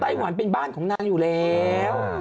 วันเป็นบ้านของนางอยู่แล้ว